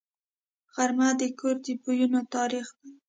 غرمه د کور د بویونو تاریخ دی